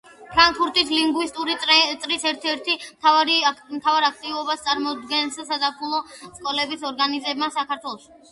ფრანკფურტის ლინგვისტური წრის ერთ-ერთ მთავარ აქტივობას წარმოადგენს საზაფხულო სკოლების ორგანიზება საქართველოში.